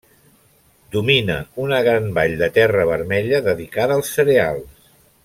Domina una gran vall de terra vermella dedicada als cereals.